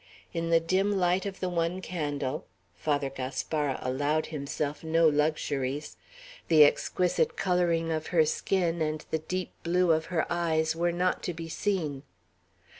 In the dim light of the one candle, Father Gaspara allowed himself no luxuries, the exquisite coloring of her skin and the deep blue of her eyes were not to be seen.